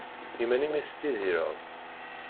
Iman-im i tettidireḍ?